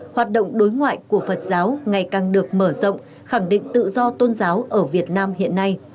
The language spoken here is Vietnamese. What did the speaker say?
hoạt động đối ngoại của phật giáo ngày càng được mở rộng khẳng định tự do tôn giáo ở việt nam hiện nay